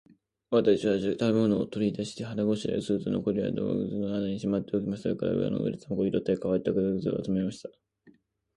私は食物を取り出して、腹ごしらえをすると、残りは洞穴の中にしまっておきました。それから岩の上で卵を拾ったり、乾いた枯草を集めました。